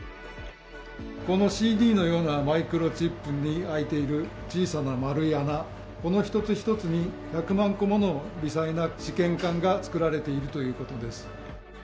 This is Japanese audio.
このＣＤのようなマイクロチップに開いている小さな丸い穴、この一つ一つに１００万個もの微細な試験管が作られているということです。